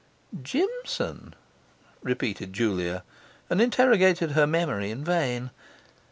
'Jimson?' repeated Julia, and interrogated her memory in vain.